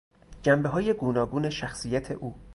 جنبههای گوناگون شخصیت او